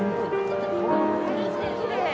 きれい。